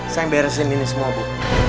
saya yang beresin ini semua ibu